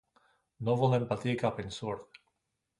no volem patir cap ensurt